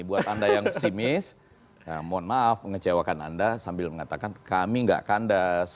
buat anda yang pesimis mohon maaf mengecewakan anda sambil mengatakan kami nggak kandas